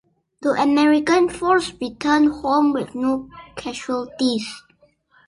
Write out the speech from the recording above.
The American force returned home with no casualties.